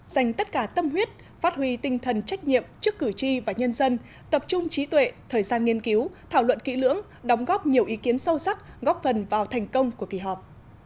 dành tất cả tâm huyết phát huy tinh thần trách nhiệm trước cử tri và nhân dân tập trung trí tuệ thời gian nghiên cứu thảo luận kỹ lưỡng đóng góp nhiều ý kiến sâu sắc góp phần vào thành công của kỳ họp